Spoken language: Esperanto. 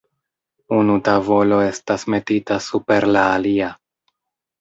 Unu tavolo estas metita super la alia.